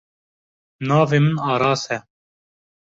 Navê min Aras e.